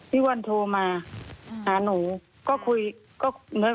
พี่วันโทรมาหาหนูก็คุย